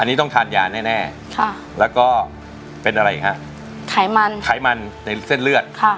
อันนี้ต้องทานยาแน่ค่ะแล้วก็เป็นอะไรฮะไขมันไขมันในเส้นเลือดค่ะ